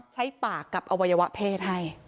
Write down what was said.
ปากกับอวัยวะเพศให้